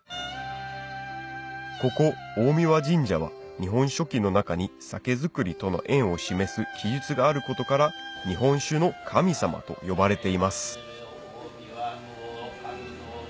ここ大神神社は『日本書紀』の中に酒造りとの縁を示す記述があることから日本酒の神様と呼ばれています